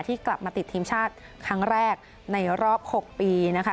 ที่กลับมาติดทีมชาติครั้งแรกในรอบ๖ปีนะคะ